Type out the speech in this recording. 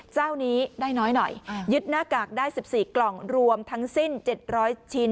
เจ้านี้ได้น้อยหน่อยยึดหน้ากากได้๑๔กล่องรวมทั้งสิ้น๗๐๐ชิ้น